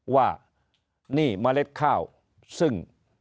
ว่านี่เมล็ดข้าวซึ่ง